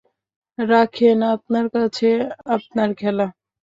রাখেন আপনার কাছে আপনার খেলা।